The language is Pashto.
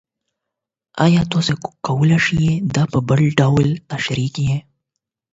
ایا تاسو کولی شئ دا په بل ډول تشریح کړئ؟